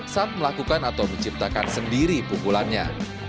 saat melakukan atau menciptakan sendiri pukulannya